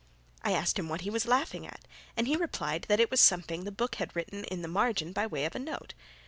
I asked him what he was laughing at, and he replied that it was at something the book had written in the margin by way of a note.